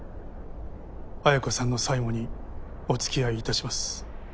彩子さんの最期にお付き合いいたします。